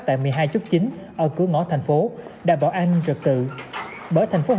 tại một mươi hai chốt chính ở cửa ngõ thành phố đảm bảo an ninh trật tự